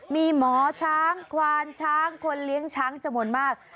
มีหมอช้างควานช้างคนเลี้ยงช้างจำนวนมาก